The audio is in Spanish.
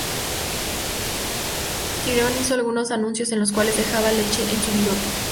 Tyrone hizo algunos anuncios en los cuales dejaba leche en su bigote.